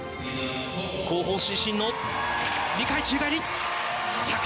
後方伸身の２回宙返り。